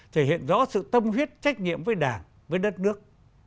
thể hiện rõ sự tâm huyết trách nhiệm với đảng với đất nước